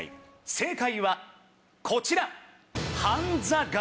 正解はこちら。